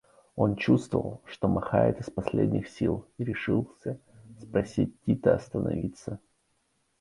Он чувствовал, что махает из последних сил, и решился просить Тита остановиться.